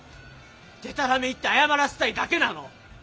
デタラメ言って謝らせたいだけなの。